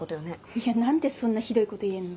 いや何でそんなひどいこと言えんの？